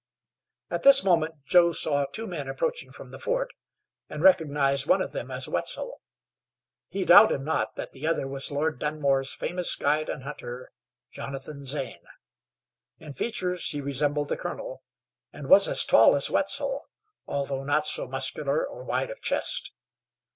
At this moment Joe saw two men approaching from the fort, and recognized one of them as Wetzel. He doubted not that the other was Lord Dunmore's famous guide and hunter, Jonathan Zane. In features he resembled the colonel, and was as tall as Wetzel, although not so muscular or wide of chest.